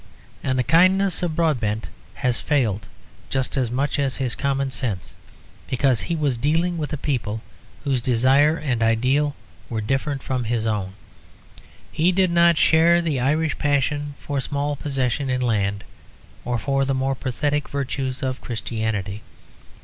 And the kindness of Broadbent has failed just as much as his common sense; because he was dealing with a people whose desire and ideal were different from his own. He did not share the Irish passion for small possession in land or for the more pathetic virtues of Christianity.